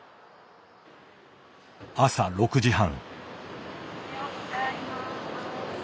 朝６時半。